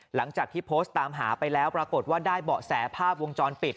หลังจากที่โพสต์ตามหาไปแล้วปรากฏว่าได้เบาะแสภาพวงจรปิด